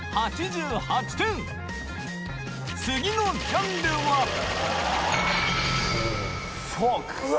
次のジャンルはうわ！